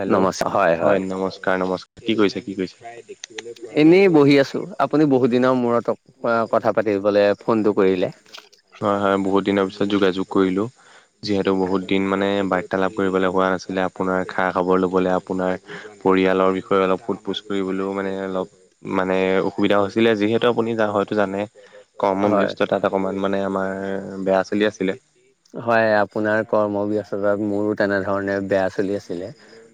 Hello হয় নমস্কাৰ-নমস্কাৰ কি কৰিছে, কি কৰিছে? এনেই বহি আছোঁ আপুনি বহুত দিনৰ মূৰত কথা পাতিবলে ফোনটো কৰিলে। হয়, হয়, বহুত দিনৰ পিছত যোগাযোগ কৰিলো। যিহেতু বহুত দিন মানে বাৰ্তালাপ কৰিবলৈ হোৱা নাছিলে আপোনাৰ খা খাবৰ ল'বলৈ আপোনাৰ পৰিয়ালৰ বিষয়ে অলপ শোধ পোছ কৰিবলৈও মানে অলপ মানে অসুবিধা হৈছিলে যিহেতু আপুনি যা হয়তো জানে কৰ্ম হয় ব্যস্ততাত অকণমান মানে আমাৰ বেয়া চলি আছিলে হয় আপোনাৰ কৰ্ম ব্যস্ততা মোৰো তেনেধৰণে বেয়া চলি আছিলে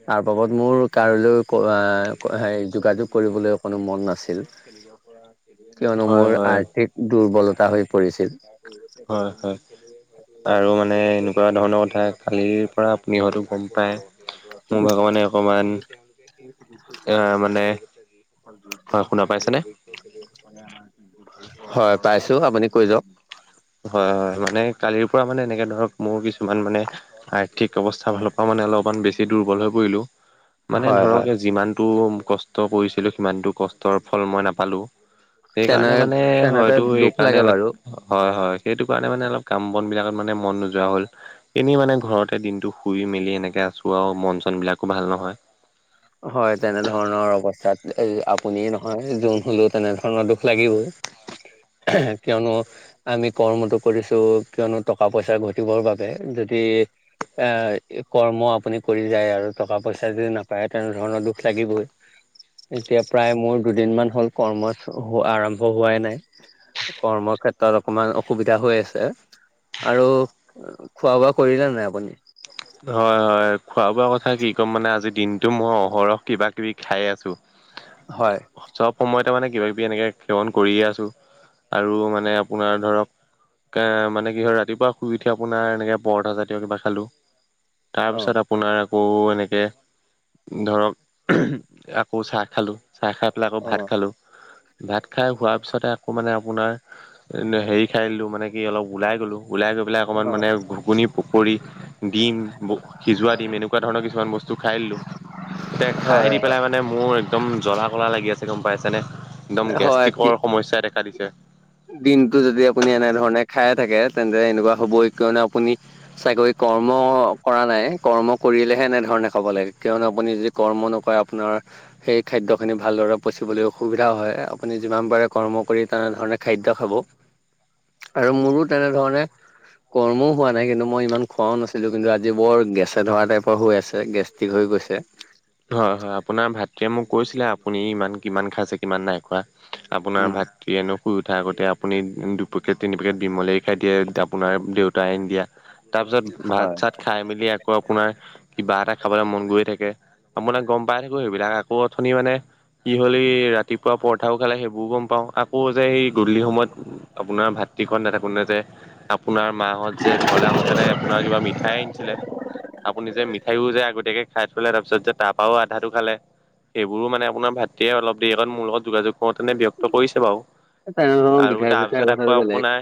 তাৰ বাবদ মোৰ কাৰোলৈ আ, যোগাযোগ কৰিবলৈ অকনো মন নাছিল। কিয়নো হয় মোৰ হয় আৰ্থিক দুৰ্বলতা হৈ পৰিছিল হয়, হয় আৰু মানে এনেকুৱা ধৰণৰ কথা। কালিৰ পৰা আপুনি হয়তো গম পায়। মোৰ ভাগৱানে অকমান এ মানে হয় শুনা পাইছেনে [inaudible] হয় পাইছো আপুনি কৈ যাওক। হয়, হয় মানে কালিৰ পৰা মানে এনেকে ধৰক মোৰ কিছুমান মানে আৰ্থিক অৱস্থা ভাল মানে অলপমান বেছি দুৰ্বল হৈ পৰিলো মানে হয় ধৰক হয় যিমানটো কষ্ট কৰিছিলোঁ সিমানটো কষ্ট তৰ ফল মই নাপালোঁ, তেনে সেইকাৰণে মানে তেনেতে হয়তো দুখ এইকাৰণে লাগে বাৰু হয়, হয় সেইটো কাৰণে মানে অলপ কাম বন বিলাকত মানে মন নোযোৱা হ'ল এনেই মানে ঘৰতে দিনটো শুই মেলি এনেকে আছোঁ আৰু মন চন বিলাকো ভাল নহয়। হয়, তেনেধৰণৰ অৱস্থাত আপুনি নহয় যোন হলেও তেনেধৰণৰ দুখ লাগিবই কিয়নো আমি কৰ্মটো কৰিছোঁ, কিয়নো টকা পইচা ঘটিবৰ বাবে যদি এ কৰ্ম আপুনি কৰি যায় আৰু টকা পইচা যদি নাপ পায় তেনেধৰণৰ দুখ লাগিবই এতিয়া প্ৰায় মোৰ দুদিনমান হ'ল কৰ্ম আৰম্ভ হোৱাই নাই। কৰ্ম ক্ষেত্ৰত অকমান অসুবিধা হৈ আছে আৰু খোৱা বোৱা কৰিলে নাই আপুনি? হয়, হয় খোৱা বোৱা কথা কি ক'ম মানে আজি দিনটো মই অহৰহ কিবা কিবি খাই আছোঁ। [inaudible] হয়, চব সময়তে মানে কিবা কিবি এনেকে সেৱন কৰিয়ে আছোঁ আৰু মানে আপোনাৰ ধৰক এ মানে কি হয় ৰাতিপুৱা শুই উঠি আপোনাৰ এনেকে পৰঠা জাতীয় কিবা খালো তাৰ অ পিছত আপোনাৰ আকৌ এনেকে ধৰক আকৌ চাহ খালোঁ। চাই খাই পেলাই আকৌ অ ভাত অ', খালোঁ, ভাত খাই হোৱাৰ পিছতে আকৌ মানে আপোনাৰ হেৰি খাই দিলো মানে কি অলপ ওলাই গলো ওলাই গৈ পেলাই অকণমান মানে ঘুগুনি পকৰি দিম সিজোৱা দিম এনেকুৱা ধৰণৰ কিছুমান বস্তু খাই দিলো। এয়া খাই হয় হয় দি পেলাই মানে মোৰ একদম জ্বলা কলা লাগি আছে গম পাইছেনে, একদম হয় গেষ্ট্ৰিকৰ সমস্যাই দেখা দিছে। দিনটো যদি আপুনি এনে ধৰণে খাই থাকে তেন্তে এনেকুৱা হবয়ে কিয়নো আপুনি চাকৰি কৰ্ম কৰা নাই কৰ্ম কৰিলেহে এনেধৰণে খাব লাগে কিয়নো আপুনি কৰ্ম নকৰে আপোনাৰ সেই খাদ্যখিনি ভালদৰে পচিবলৈ অসুবিধা হয়, আপুনি যিমান পাৰে কৰ্ম কৰি তেনেধৰণে খাদ্য খাব আৰু মোৰো তেনেধৰণে কৰ্মও হোৱা নাই, কিন্তু মই ইমান খোৱাও নাছিলোঁ, কিন্তু আজি বৰ গেছে ধৰা টাইপৰ হৈ আছে গেছ থিক হৈ গৈছে। হয়, হয় আপোনাৰ ভাতৃয়ে মোক কৈছিলে, আপুনি ইমান, কিমান খাইছে, কিমান নাই খোৱা। আপোনাৰ উম ভাতৃয়ে এনেও শুই উঠাৰ আগতে আপুনি দুপেকেট তিনি পেকেট বিমলে খাই দিয়ে আপোনাৰ দেউতাই আনি দিয়া। তাৰপিছত ভাত হয় চাত খাই মেলি আকৌ আপোনাৰ কিবা এটা খাবলৈ মন গৈয় থাকে। মই মানে গম পাই থাকো সেইবিলাক, আকৌ অথনি মানে কি হ'ল এ, ৰাতিপুৱা পৰঠাও খালে সেইবোৰোঁ গম পাওঁ আকৌ যে সেই গধূলি সময়ত আপোনাৰ ভাতৃখন নাথাকো নে যে আপোনাৰ মাহঁত যে ঘৰলৈ আহঁতেনে আপোনাৰ কিবা মিঠাই আনিছিলে। আপুনি যে মিঠাইও যে আগতীয়াকে খাই থলে তাৰপিছত যে তাৰপৰাও আধাটো খালে, সেইবোৰো মানে আপোনাৰ ভাতৃয়ে অলপ দেৰিকণ মোৰ লগত যোগাযোগ কওঁতেনে ব্যক্ত কৰিছে বাৰু, তেনেধৰণৰ আৰু মিঠাই চিঠাই তাৰপিছত আকৌ কথাটো বেলেগ আপোনাৰ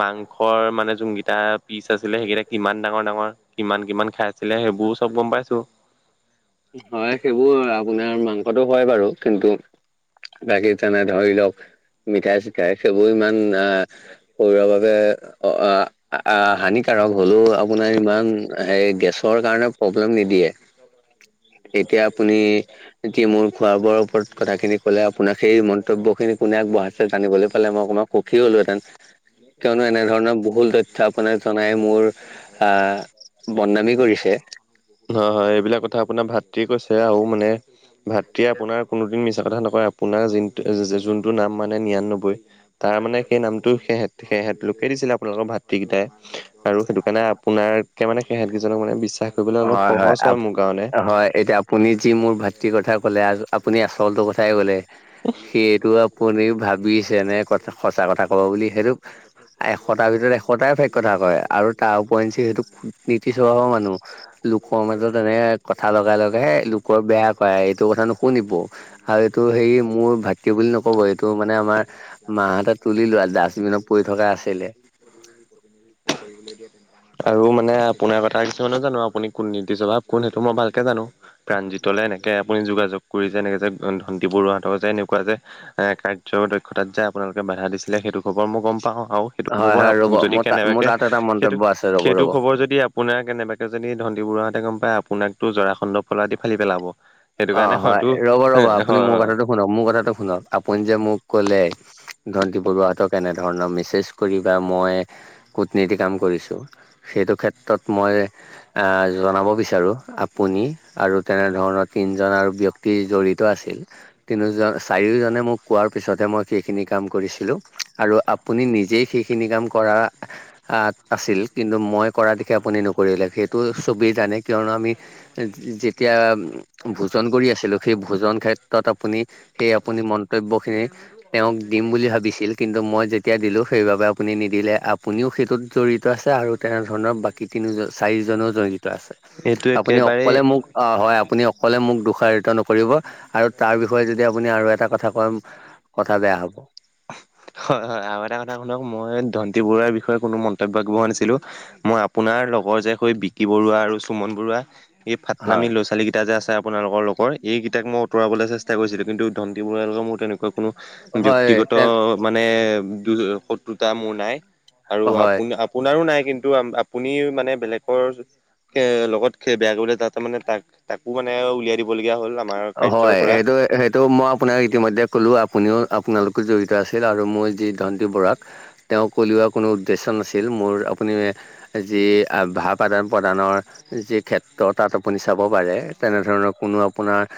মাংসৰ মানে যোনকেইটা পিচ আছিলে সেইকেইটা কিমান ডাঙৰ ডাঙৰ কিমান কিমান খাই আছিলে সেইবোৰোঁ চব গম পাইছোঁ। হয়, সেইবোৰ আপোনাৰ মাংসটো হয় বাৰু কিন্তু বাকী তেনে ধৰি লওক মিঠাই চিঠাই সেইবোৰ ইমান আ কৰিব বাবে অ' আ আ, হানিকাৰক হ'লেও আপোনাৰ ইমান এ, গেছৰ কাৰণে প্ৰব্লেম নিদিয়ে। এতিয়া আপুনি এতিয়া মোৰ খোৱা বোৱাৰ ওপৰত কথাখিনি ক'লে আপোনাক সেই মন্তব্যখিনি কোনে আগবঢ়াইছে জানিবলৈ পালে মই অকমান সুখী হ'লোহেঁতেন। কিয়নো এনেধৰণৰ বহুল তথ্য আপোনাৰ জনাই মোৰ আ, বদনামী কৰিছে। হয় হয়। এইবিলাক কথা আপোনাৰ ভাতৃয়ে কৈছে আৰু মানে এতিয়া আপোনাৰ কোনোদিন মিছা কথা নকয়, আপোনাৰ যোনটো যোনটো নাম মানে নিৰানব্বৈ তাৰমানে সেই নামটো সেহ তেহঁতলোকেই দিছিলে আপোনালোকৰ ভাতিকেইটাই আৰু সেইটো কাৰণে আপোনাৰ সে মানে সেহেতকেইজনক মানে বিশ্বাস কৰিবলৈ অলপ হয় হয়। সহজ আ, মোৰ কাৰণে হয়। এতিয়া আপুনি যি মোৰ ভাতৃৰ কথা ক'লে, আপুনি আচলটো কথাই ক'লে। সেইটো আপুনি ভাবিছেনে কথা সঁচা কথা কব বুলি, সেইটো এশটাৰ ভিতৰত এশটাই চেক কথা কয় আ। আৰু তাৰ ওৰিঞ্চি সেইটো নীতি স্বভাৱৰ মানুহ। লোকৰ মাজত এনে কথা লগাই লগাইে লোকৰ বেয়া কৰে, এইটোৰ কথা নুশুনিব। আৰু এইটো হেৰি মোৰ ভাতৃ বুলি নক'ব, এইটো মানে আমাৰ মাহতে তুলি লোৱা আৰু ডাষ্টবিনত পৰি থকা আছিলে। প্ৰতিনিধিত্ব কৰিবলৈ দিয়ে তেনে আৰু মানে আপোনাৰ কথা কিছুমানে জানো, আপুনি কোন নীতি স্বভাৱ, কোন সেইটো মই ভালকে জানো। প্ৰাণজিতলে এনেকৈ আপুনি যোগায কৰি যে, এনেকৈ যে ধণ্টি বৰুৱাহঁতক যে এনেকুৱা যে এ, কাৰ্য দক্ষতাত যে আপোনালোকে বাধা দিছিলে সেইটো খবৰ মই গম পাওঁ আৰু। সেইটো হয় হয় ৰ'ব খবৰ যদি মোৰ তাত মোৰ কেনেবাকে, তাত এটা সেইটো মন্তব্য আছে ৰ'ব সেইটো ৰ'ব। খবৰ যদি আপোনাৰ কেনেবাকে যদি ধন্দি বৰুৱাহঁতে গম পায় আপোনাকতো জৰা খণ্ডৰ পলাদি ফালি পেলাব। সেইটো কাৰণে অ' হয়তো হয়, ৰ'ব হয় ৰ'ব আপুনি মোৰ হয় কথাটো শুনক মোৰ কথাটো শুনক, আপুনি যে মোক ক'লে ধণ্টি বৰুৱাহতক এনেধৰণৰ মেছেজ কৰি বা মই কূটনীতি কাম কৰিছোঁ সেইটো ক্ষেত্ৰত মই আ, জনাব বিচাৰো, আপুনি আৰু তেনেধৰণৰ তিনজন আৰু ব্যক্তি জড়িত আছিল। তিনিওজন, চাৰিওজনে মোক কোৱাৰ পিছতহে মই সেইখিনি কাম কৰিছিলোঁ আৰু আপ পুনি নিজেই সেইখিনি কাম কৰা আত আছিল কিন্তু মই কৰা দিশে আপুনি নকৰিলে সেইটো চবেই জানে কিয়নো আমি যেতিয়া ভোজন কৰি আছিলো, সেই ভোজন ক্ষেত্ৰত আপুনি সেই আপুনি মন্তব্যখিনি তেওঁক দিম বুলি ভাবিছিল কিন্তু মই যেত তিয়া দিলোঁ সেইবাবে আপুনি নিদিলে, আপুনিও সেইটোত জড়িত আছে আৰু তেনেধৰণৰ বা তিনি চাৰিজনও জৰিত আছে। এইটো আপুনি একেবাৰেই অকলে মোক অ' হয় আপুনি অ' ক'লে মোক দোষাৰিত নকৰিব আৰু তাৰ বিষয়ে যদি আপুনি আৰু এটা কথা কয় কথা বেয়া হ'ব। হয়, হয়। আৰু এটা কথা শুনক মই দন্তি বৰুৱাৰ বিষয়ে কোনো মন্তব্য আগবঢ়োৱা নাছিলোঁ। মই আপোনাৰ লগৰ যে হৈ বিকি বৰুৱা আৰু সুমন বৰুৱা। এই ফাটলামি হয় ল'ৰা-ছোৱালী কেইটা যে আছে। আপোনালোকৰ লগৰ এইকেইট অতৰাবলৈ চেষ্টা কৰিছিলোঁ কিন্তু ধন্তী বোৰ লগৰ মোৰ তেনেকুৱা কোনো হয় ব্যক্তিগত তে মানে শত্ৰুতা মোৰ নাই। আৰু হয় আপোন-আপোনাৰো নাই কিন্তু আপুনি মানে বেলেগৰ লগত সি বেয়া কৰিবলৈ যাওঁতে তাতেমানে তাক-তাকো মানে উলিয়াই দিবলগীয়া হ'ল। আমাৰ কাৰ্যৰ হয় পৰা। সেইটো-সেইটো মই আপোনাক ইতিমধ্যে ক'লোঁ আপুনিও আপোনালোকো জড়িত আছিল আৰু মোৰ যি ধন্তী বৰুৱাক। তেওঁ উলিওৱা কোনো উদ্দেশ্য নাছিল মোৰ আপুনি যি ভাব আদান-প্ৰদানৰ যি ক্ষেত্ৰ তাত আপুনি চাব পাৰে, তেনেধৰণৰ কোনো আপোনাৰ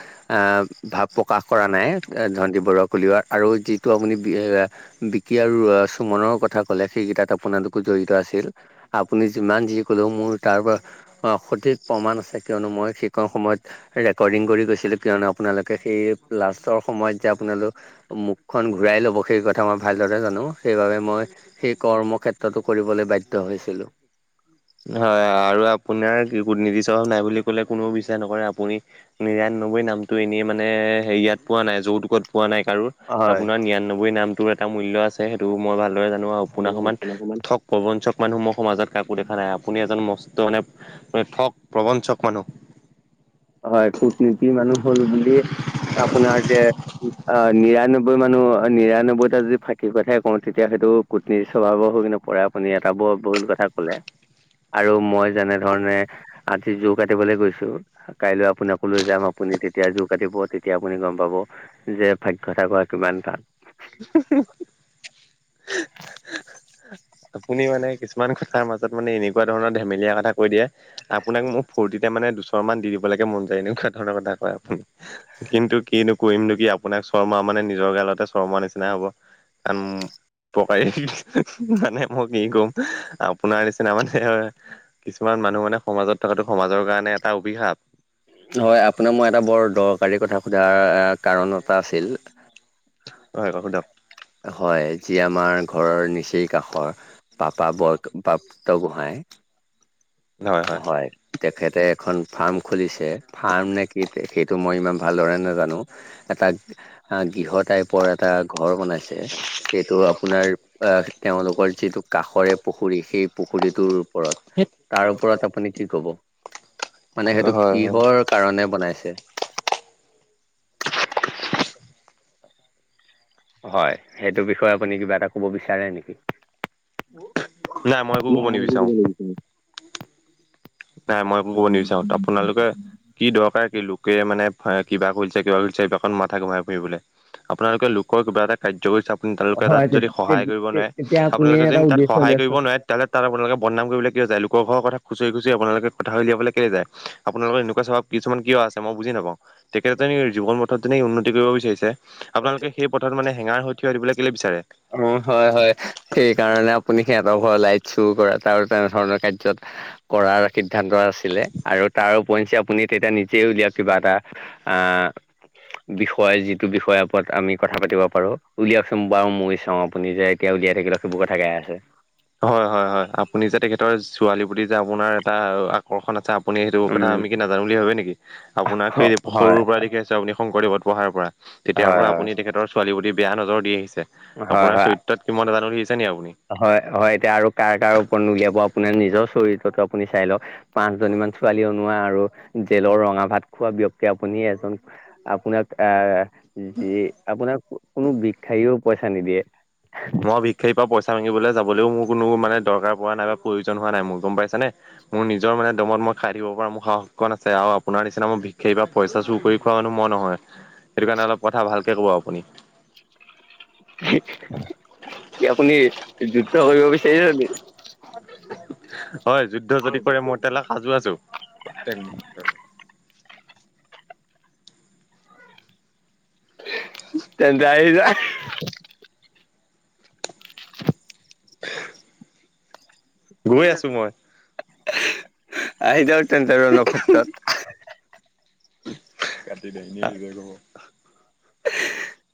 ভাৱ প্ৰকাশ কৰা নাই ধন্তী বৰুৱা উলিওৱাৰ আৰু যিটো আপুনি বিকি আৰু চুমনৰ কথা ক'লে সেইকেইটাত আপোনালোকো জড়িত আছিল। আপুনি যিমান যি ক'লেও মোৰ তাৰপৰা সঠিক প্ৰমাণ আছে কিয়নো মই সেইকণ সময়ত ৰেকৰ্ডিং কৰি গৈ কিয়নো আপোনালোকে সেই লাষ্টৰ সময়ত যে আপোনালোক মুখখন ঘূৰাই ল'ব, সেই কথা মই ভালদৰে জানোঁ। সেইবাবে মই সেই কৰ্মক্ষেত্ৰতো কৰিবলৈ বাধ্য হৈছিলোঁ। হয় আৰু আপোনাৰ কুটনীতি স্বভাৱ নাই বুলি ক'লে কোননেও বিশ্বাস নকৰে। আপুনি নিৰান্নব্বৈ নামটো এনেই মানে হেৰি ইয়াত পোৱা নাই, যৌতুকত পোৱা নাই কাৰো। হয় আপোনাৰ নিৰান্নব্বৈ নামটোৰ এটা মূল্য আছে সেইটো মই ভাল [unintelligible] প্ৰবঞ্চক মানুহ মোৰ সমাজত কাকো দেখা নাই, আপুনি এজন মস্ত মানে ঠগ প্ৰবঞ্চক মানুহ। হয় কূটনীতি মানুহ হ'ল বুলি আপোনাৰ যে অহ, নিৰান্নব্বৈ মানুহ অহ, নিৰানব্বৈটা যদি ফাঁকি কথাই কওঁ তেতিয়া সেইটো কুটনীৰ স্বভাৱৰ হৈ কিনে পৰে আপুনি এটা বৰ ভুল কথা ক'লে। আৰু মই যেনে ধৰণে আজি জোৰ কাটিবলৈ গৈছোঁ। কাইলৈ আপোন আকৌ লৈ যাম আপুনি তেতিয়া জোৰ কাটিব তেতিয়া আপুনি গম পাব। যে ভাগ্যটা কৰা কিমান টান। [unintelligible] আপুনি মানে কিছুমান কথাৰ মাজত মানে এনেকুৱা ধৰণৰ ধেমেলীয়া কথা কৈ দিয়ে, আপোনাক মোৰ ফৰ্তি এতিয়া মানে দুচৰমান দি দিব লাগে মন যায়, এনেকুৱা ধৰণৰ কথা কয় আপুনি। কিন্তু কিনো কৰিমনো কি। আপোনাক চৰমাৰা মানে নিজৰ গালতে চৰমাৰা নিচিনাই হ'ব। [unintelligible] পকাই মানে মই কি কম, আপোনাৰ নিচিনা মানে কিছুমান মানুহ মানে সমাজত থকাটো সমাজৰ কাৰণে এটা অভিশাপ। হয়, আপোনাক মই এটা বৰ দৰকাৰী কথা সোধাৰ কাৰণ এটা আছিল। হয়, [unintelligible] হয় যি আমাৰ ঘৰৰ নিচেই কাষৰ। পাপা বত, প্ৰাপ্ত গোহাঁই হয়। তেখেতে এখন ফাৰ্ম খুলিছে, ফাৰ্মনে কি সেইটো মই ইমান ভালদৰে নাজানোঁ। এটা গৃহ টাইপৰ এটা ঘৰ বনাইছে। সেইটো আপোনাৰ অহ, তেওঁলোকৰ যিটো কাষৰে পুখুৰী সেই পুখুৰীটোৰ ওপৰত। [unintelligible] তাৰ ওপৰত আপুনি কি কব। মানে সেইটো কিহৰ কাৰণে বনাইছে? [unintelligible] হয় সেইটো বিষয়ে আপুনি কিবা এটা ক'ব বিচাৰে নেকি? একো নাই ক'ব মই নিবিচাৰো [unintelligible] নাই, মইো ক'ব নিবিচাৰো আপোনালোকে কি দৰকাৰ কি লোকে মানে কিবা কৰিছে কিবা কৰিছে এইবিলকত মাথা ঘুৰাই ফুৰিবলৈ। আপোনালোকে লোকৰ কিবা এটা কাৰ্য কৰিছে, আপুনি তেওঁলোকে তাত হয় যদি সহায় কৰিব নোৱাৰে তেতিয়া আপুনি আপোনালোকে এটা যদি তাত উদ্দেশ্য সহায় কৰিব দিয়কচোন নোৱাৰে তালে তাত আপোনোকে বদনাম কৰিবলৈ কিয় যায়, লোকৰ ঘৰ কথা খুচৰি খুচৰি আপোনালোক কথা উলিয়াবলৈ কেলৈ যায়? আপোনালোকৰ এনেকুৱা কিছুমান কিয় আছে মই বুজি নাপাওঁ তেখেততে জীৱন পথত যনে উন্নতি কৰিব বিচাৰিছে আপোনালোকে সেই পথাৰত মানে হেঙাৰ হৈ থিয় দিবলৈ কেলে বিচাৰে? অ', হয় হয়, সেইকাৰণে আপুনি সিহঁতৰ ঘৰৰ লাইট চুৰ কৰা আৰু তেনেধৰণৰ কাৰ্যত কৰাৰ সিদ্ধান্ত আছিলে আৰু তাৰ ক এ বিষয়িষয় [unintelligible] [inaudible] ওপৰত আমি কথা পাতি পাৰো উলিয়াওচোন বাৰু ময়ো চাওঁ, আপুনি যে এতিয়া উলিয়াই থাকিলেও সেইবোৰ কথা গায় হয় হয় হয়, আপুনি যে তেখেতৰ ছোৱালী বুলি যে আপোনাৰ এটা আকৰ্ষণ আছে আপুনি সেইটো কথা উম আমি কি নাজানোঁ বুলি ভাবে নেকি? আপোনাক সেই হয় সৰুৰ পৰা দেখি আছো, আপুনি শংকৰদেৱত পঢ়াৰ পৰা হয় তেতিয়াৰ হয় পৰা আপুনি তেখেতৰ ছোৱালী প্ৰতি বেয়া নজৰ দি আহিছে হয় আপোনাৰ হয় চৰিত্ৰ তত কি মত জানোিছে নে আপুনি [inaudible] হয় হয়, এতিয়া আৰু কাৰ কাৰ ওপৰত উলিয়াব আপোনাৰ নিজৰ চৰিত্ৰটো আপুনি চাই লওক। পাঁচ জনী মান ছোৱালী অ পোৱা আৰু জেলৰ ৰঙা ভাত খোৱা ব্যযক্তি আপুনি এজন আপোনাক এ যি আপোনাক কোনো ভি [unintelligible] পইচা নিদিয়ে। বিষ খাৰীৰ পৰা পইচা মাঙিবলৈ যাবলৈও মোৰ কোনো মানে দৰকাৰ পোৱা নাই বা প্ৰয়োজন হোৱা নাই মোৰ গম পাইছানে? মোৰ নিজৰ মানে দমত মই খাই দিব পৰাৰ মোৰ সাহ অকণ আছে। আৰু আপোনাৰ নিচিনা মই বিশষেই বা পইচা চুৰ কৰি খোৱা মানুহ মই নহয়। সেইটো কাৰণে অলপ কথা ভালকে ক'ব আপুনি। কি? আপুনি যুদ্ধ কৰিব বিচাৰিছে নিকি? হয়, যুদ্ধ যদি কৰে মই তেতিয় হ'লে সাজু আছো। প্ৰতেক মুহৰ্ত তেন্ত আহি যা। [inaudible] আ, গৈ আছো মই। আহি যাও, তেন্ত ৰনক্ষত্ৰত। কাটি দেনে হ ক'ব। [inaudible] [inaudible]